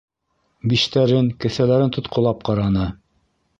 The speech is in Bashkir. Биштәрен, кеҫәләрен тотҡолап ҡараны.